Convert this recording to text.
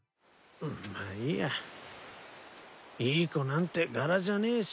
まあいいやいい子なんて柄じゃねえし。